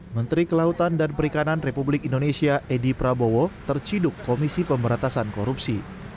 menteri kelautan dan perikanan republik indonesia edi prabowo terciduk komisi pemberatasan korupsi